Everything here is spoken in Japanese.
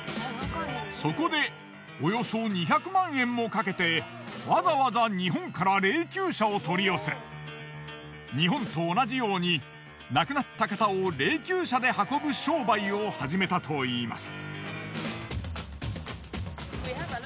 そこでおよそ２００万円もかけてわざわざ日本から霊柩車を取り寄せ日本と同じように亡くなった方を霊柩車で運ぶ商売を始めたといいます。